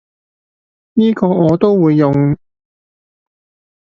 呢個我都會用